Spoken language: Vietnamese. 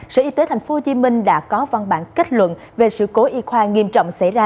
sở y tế tp hcm đã có văn bản kết luận về sự cố y khoa nghiêm trọng xảy ra